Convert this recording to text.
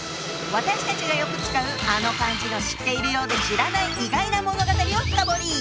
私たちがよく使うあの漢字の知ってるようで知らない意外な物語を深掘り！